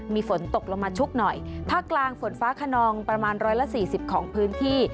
มีฝนตกลงมาชุกหน่อยภาคกลางฝนฟ้าขนองประมาณร้อยละสี่สิบของพื้นที่